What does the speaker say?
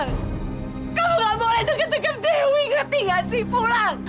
kalau nggak boleh deket deket dewi ngerti gak sih pulang